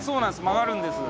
曲がるんです。